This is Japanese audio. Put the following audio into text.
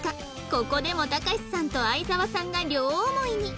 ここでもたかしさんと沢さんが両思いに